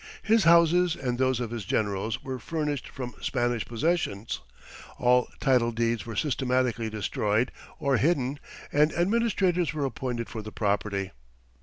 His houses and those of his generals were furnished from Spanish possessions, all title deeds were systematically destroyed or hidden, and administrators were appointed for the property.